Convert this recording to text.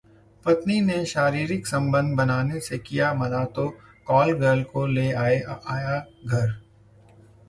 पत्नी ने शारीरिक संबंध बनाने से किया मना तो कॉलगर्ल को ले आया घर